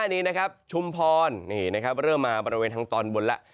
๔๕นี้นะครับชุมพรเริ่มมาบริเวณทางตอนบนแล้ว